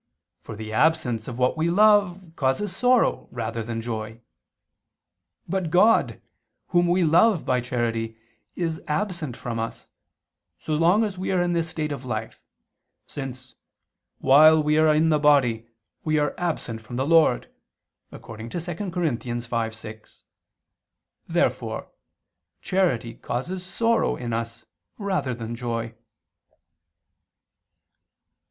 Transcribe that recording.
For the absence of what we love causes sorrow rather than joy. But God, Whom we love by charity, is absent from us, so long as we are in this state of life, since "while we are in the body, we are absent from the Lord" (2 Cor. 5:6). Therefore charity causes sorrow in us rather than joy.